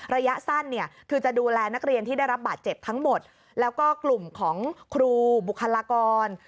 ระยะสั้นเนี่ยคือจะดูแลนักเรียนที่ได้รับบาดเจ็บทั้งหมดแล้วก็กลุ่มของครูบุคลากร